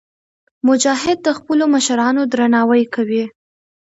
مجاهد د خپلو مشرانو درناوی کوي.